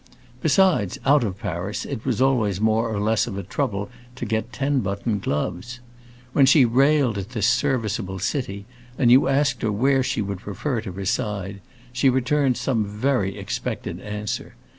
Besides out of Paris it was always more or less of a trouble to get ten button gloves. When she railed at this serviceable city and you asked her where she would prefer to reside, she returned some very unexpected answer.